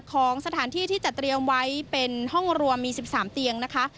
ของสถานที่ที่จะเตรียมไว้เป็นห้องรวมมี๑๓เตียงนะคะ